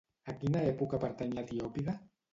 A quina època pertany l'Etiòpida?